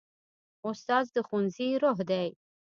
استاد د ښوونځي روح دی.